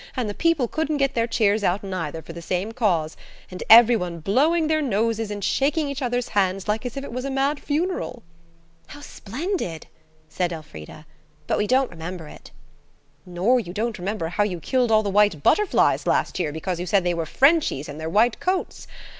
–and the people couldn't get their cheers out neither, for the same cause, and every one blowing their noses and shaking each other's hands like as if it was a mad funeral?" "How splendid!" said Elfrida. "But we don't remember it." "Nor you don't remember how you killed all the white butterflies last year because you said they were Frenchies in their white coats?